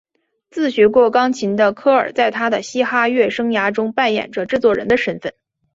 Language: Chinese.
自学过钢琴的科尔在他的嘻哈乐生涯中扮演着制作人的身份。